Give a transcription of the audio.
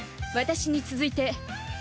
私に続いて。